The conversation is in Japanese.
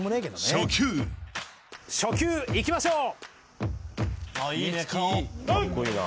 初球いきましょう。